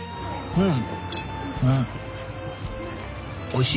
うん！